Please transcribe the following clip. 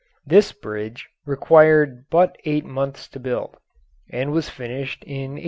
This bridge required but eight months to build, and was finished in 1883.